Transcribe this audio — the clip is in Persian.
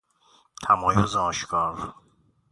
تمایز آشکار